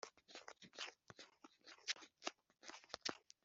Ndagusaba ngo nshobore kubwirizanya urukundo